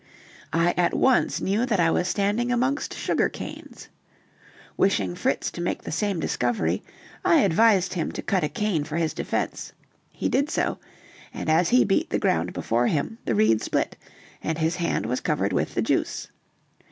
I at once knew that I was standing amongst sugar canes. Wishing Fritz to make the same discovery, I advised him to cut a cane for his defense; he did so, and as he beat the ground before him, the reed split, and his hand was covered with the juice.